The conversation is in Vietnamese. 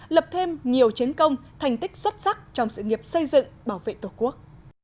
lập thêm nhiều chiến công thành tích xuất sắc trong sự nghiệp xây dựng bảo vệ tổ quốc